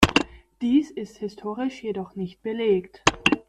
Dies ist historisch jedoch nicht belegt.